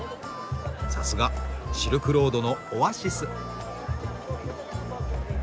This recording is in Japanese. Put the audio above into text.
さすがシルクロードのオアシス！